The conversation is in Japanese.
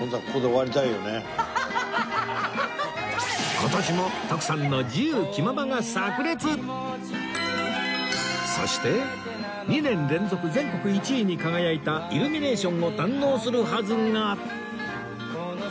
今年も徳さんのそして２年連続全国１位に輝いたイルミネーションを堪能するはずが